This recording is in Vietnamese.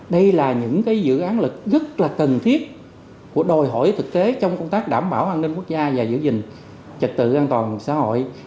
đây là những dự án lực rất là cần thiết của đòi hỏi thực tế trong công tác đảm bảo an ninh quốc gia và giữ gìn trật tự an toàn xã hội